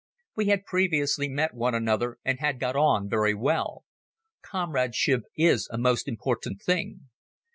We had previously met one another and had got on very well. Comradeship is a most important thing.